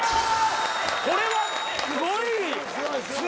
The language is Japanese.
これはすごい。